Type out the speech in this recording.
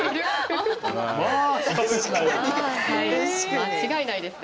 間違いないですね。